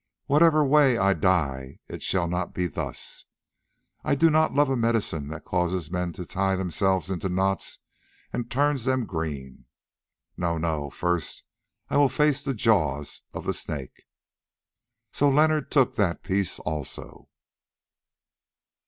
Whatever way I die it shall not be thus. I do not love a medicine that causes men to tie themselves into knots and then turns them green. No, no; first I will face the jaws of the Snake." So Leonard took that piece also.